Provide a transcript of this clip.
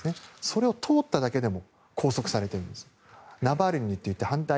それを通っただけでも拘束されています。